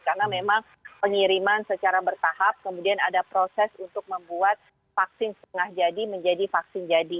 karena memang pengiriman secara bertahap kemudian ada proses untuk membuat vaksin setengah jadi menjadi vaksin jadi